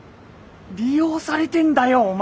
利用されてんだよお前！